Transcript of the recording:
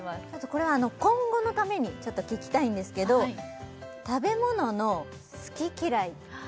これは今後のためにちょっと聞きたいんですけど食べ物の好き嫌い